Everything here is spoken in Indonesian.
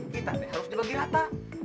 kita deh harus dibagi rata